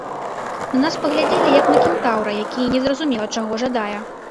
На нас паглядзелі як на кентаўра, які не зразумела чаго жадае.